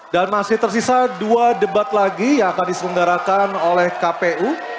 dan masih tersisa dua debat lagi yang akan diselenggarakan oleh kpu